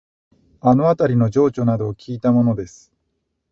あのあたりの情緒などをきいたものです